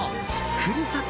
ふるさと